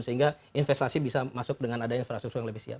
sehingga investasi bisa masuk dengan ada infrastruktur yang lebih siap